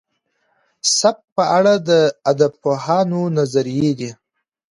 سبک په اړه د ادبپوهانو نظريې دي.